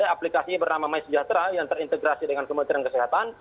aplikasi bernama mysejahtera yang terintegrasi dengan kementerian kesehatan